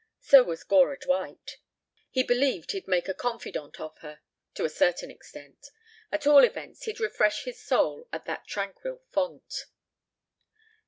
So was Gora Dwight. He believed he'd make a confidante of her to a certain extent. At all events he'd refresh his soul at that tranquil font.